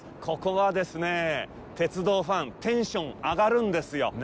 ここはですね、鉄道ファン、テンション上がるんですよ。